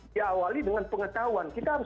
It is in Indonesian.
diawali dengan pengetahuan kita harus